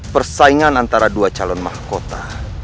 persaingan antara dua calon mahkota